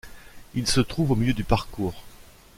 Il se trouve au milieu du parcours.